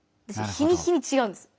日に日にちがうんですよ。